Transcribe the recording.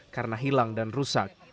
karena hilang dan rusak